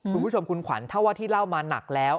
คุณผู้ชมคุณขวัญถ้าว่าที่เล่ามาหนักแล้ว